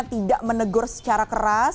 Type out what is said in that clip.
tidak menegur secara keras